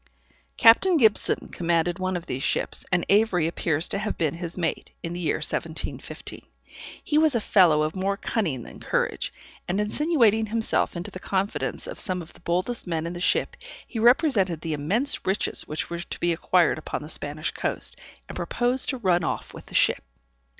Captain Gibson commanded one of these ships, and Avery appears to have been his mate, in the year 1715. He was a fellow of more cunning than courage, and insinuating himself into the confidence of some of the boldest men in the ship, he represented the immense riches which were to be acquired upon the Spanish coast, and proposed to run off with the ship.